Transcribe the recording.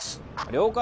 了解